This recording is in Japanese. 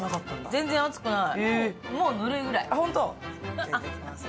全然熱くない。